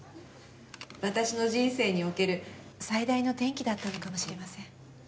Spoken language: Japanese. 私の人生における最大の転機だったのかもしれません。